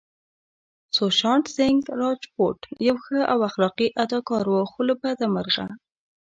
سوشانت سينګ راجپوت يو ښه او اخلاقي اداکار وو خو له بده مرغه